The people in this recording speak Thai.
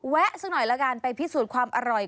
สักหน่อยละกันไปพิสูจน์ความอร่อย